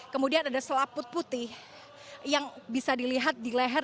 kemudian ada selaput putih yang bisa dilihat di leher